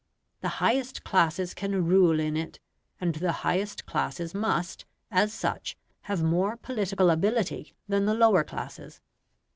The highest classes can rule in it; and the highest classes must, as such, have more political ability than the lower classes.